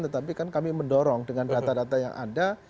tetapi kan kami mendorong dengan data data yang ada